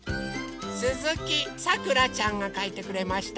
すずきさくらちゃんがかいてくれました。